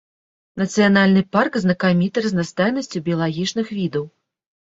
Нацыянальны парк знакаміты разнастайнасцю біялагічных відаў.